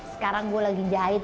sekarang gue lagi jahit